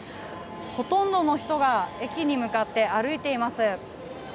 ほとんどの人が駅に向かって歩いています。